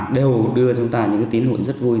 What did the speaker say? đều đưa chúng ta những tín hiệu rất vui